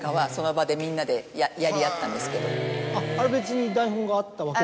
あれ別に台本があったわけでは。